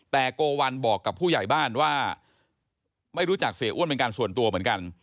แต่โกวัลบอกกับผู้ใหญ่บ้านว่าไม่รู้จักเสียอ้วนเป็นการส่วนตัวเหมือนกัน